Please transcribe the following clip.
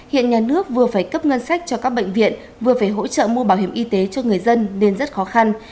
hiện nhà nước vừa phải cấp ngân sách cho các bệnh viện vừa phải hỗ trợ mua bảo hiểm y tế cho người dân nên rất khó khăn